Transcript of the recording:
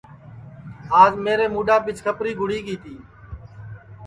آج میرے مُڈؔاپ ٻیچھکپری گُڑی تی